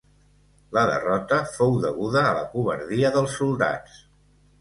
La derrota fou deguda a la covardia dels soldats.